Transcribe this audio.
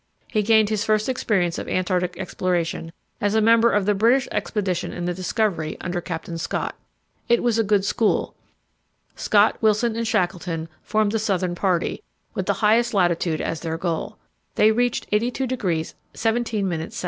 He gained his first experience of Antarctic exploration as a member of the British expedition in the Discovery, under Captain Scott. It was a good school. Scott, Wilson, and Shackleton, formed the southern party, with the highest latitude as their goal. They reached 82° 17' S.